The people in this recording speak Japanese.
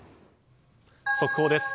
速報です。